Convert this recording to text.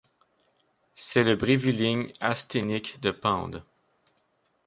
C'est le bréviligne asthénique de Pende.